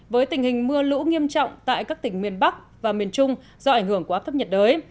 với tình hình mưa lũ nghiêm trọng tại các tỉnh miền bắc và miền trung do ảnh hưởng của áp thấp nhiệt đới